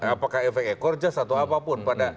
apakah efek ekorjas atau apapun